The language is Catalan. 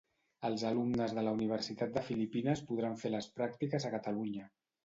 Els alumnes de la Universitat de Filipines podran fer les pràctiques a Catalunya.